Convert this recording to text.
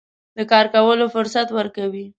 د کار کولو فرصت ورکوي.